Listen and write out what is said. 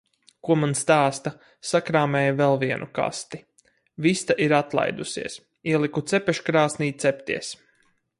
Ko man stāsta. Sakrāmēju vēl vienu kasti. Vista ir atlaidusies. Ieliku cepeškrāsnī cepties.